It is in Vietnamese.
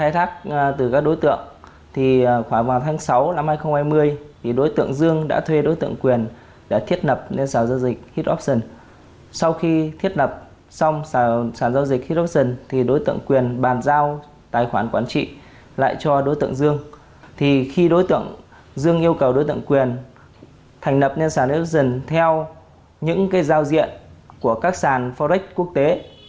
thành lập nền sàn nếu dần theo những giao diện của các sàn forex quốc tế